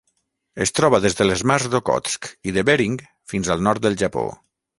Es troba des de les mars d'Okhotsk i de Bering fins al nord del Japó.